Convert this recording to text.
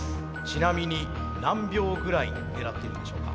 ちなみに何秒ぐらい狙っているんでしょうか？